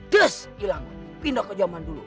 des hilang pindah ke zaman dulu